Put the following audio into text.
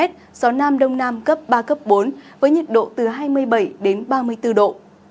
gió nam đông nam cấp ba cấp bốn với nhiệt độ từ hai mươi bảy đến ba mươi bốn độ